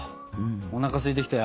おなかすいてきたよ。